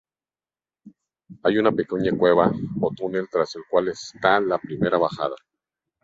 Hay una pequeña cueva o túnel tras el cual está la primera bajada.